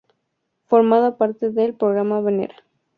Formaba parte del Programa Venera.